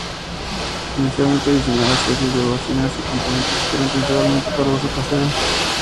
Inicialmente diseñaba series de bocinas y componentes que eran principalmente para uso casero.